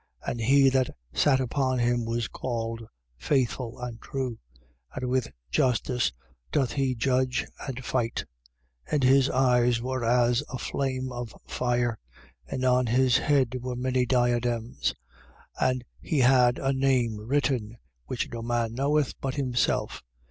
And he that sat upon him was called faithful and true: and with justice doth he judge and fight. 19:12. And his eyes were as a flame of fire: and on his head were many diadems. And he had a name written, which no man knoweth but himself.